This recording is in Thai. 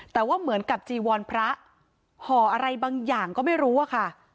แต่ว่าเหมือนกับจีวรพระห่ออะไรบางอย่างก็ไม่รู้อะค่ะ